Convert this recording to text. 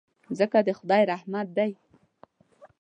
مځکه د خدای رحمت دی.